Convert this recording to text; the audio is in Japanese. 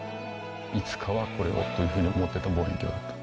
いつかはこれをというふうに思ってた望遠鏡だった。